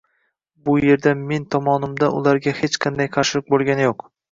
Bu yerda men tomonimdan ularga hech qanday qarshilik bo‘lgani yo‘q.